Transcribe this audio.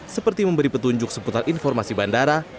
seperti memberi petunjuk seputar informasi bandara